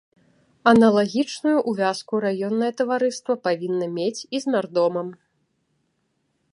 Аналагічную ўвязку раённае таварыства павінна мець і з нардомам.